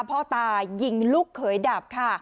พ่อตายิงลูกเขยดับค่ะ